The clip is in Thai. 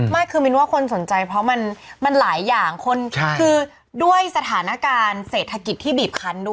ไม่คือมินว่าคนสนใจเพราะมันหลายอย่างคือด้วยสถานการณ์เศรษฐกิจที่บีบคันด้วย